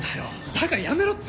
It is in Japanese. だからやめろって！